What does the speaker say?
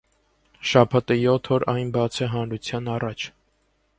Շաբաթը յոթ օր այն բաց է հանրության առաջ։